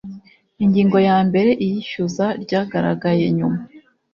Ingingo yambere Iyishyuza ryagaragaye nyuma